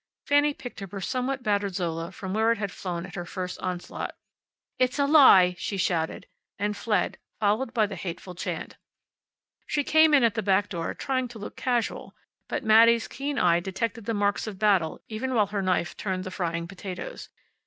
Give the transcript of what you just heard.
Fanny picked up her somewhat battered Zola from where it had flown at her first onslaught. "It's a lie!" she shouted. And fled, followed by the hateful chant. She came in at the back door, trying to look casual. But Mattie's keen eye detected the marks of battle, even while her knife turned the frying potatoes.